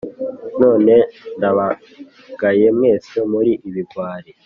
none ndabagaye mwese muri ibigwari.